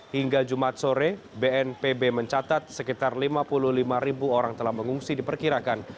hingga jumat sore bnpb mencatat sekitar lima puluh lima ribu orang telah mengungsi diperkirakan